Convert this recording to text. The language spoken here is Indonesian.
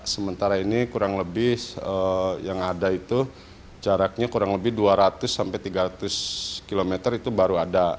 sementara ini kurang lebih yang ada itu jaraknya kurang lebih dua ratus sampai tiga ratus km itu baru ada